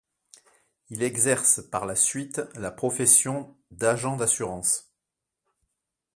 Il exerce par la suite la profession d'agent d'assurance.